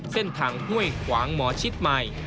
เส้นทางห้วยขวางหมอชิดใหม่